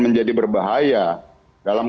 menjadi berbahaya dalam